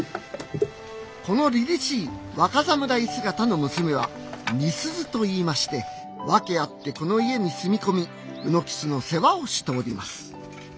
この凛々しい若侍姿の娘は美鈴といいまして訳あってこの家に住み込み卯之吉の世話をしております